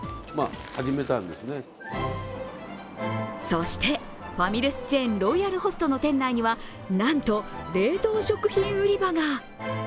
そして、ファミレスチェーンロイヤルホストの店内にはなんと冷凍食品売り場が。